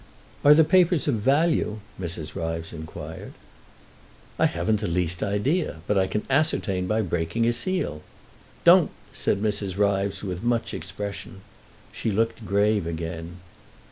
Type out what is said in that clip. "Are the papers of value?" Mrs. Ryves inquired. "I haven't the least idea. But I can ascertain by breaking a seal." "Don't!" said Mrs. Ryves, with much expression. She looked grave again.